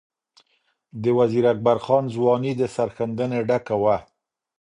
د وزیر اکبر خان ځواني د سرښندنې ډکه وه.